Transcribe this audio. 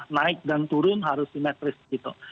naik dan turun harus simetris gitu